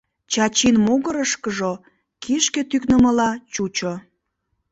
Чачин могырышкыжо кишке тӱкнымыла чучо.